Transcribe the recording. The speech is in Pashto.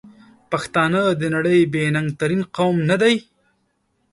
پښتانه د نړۍ بې ننګ ترین قوم ندی؟!